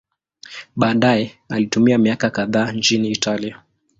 Baadaye alitumia miaka kadhaa nchini Italia.